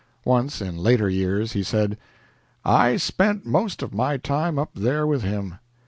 Once, in later years, he said: "I spent most of my time up there with him.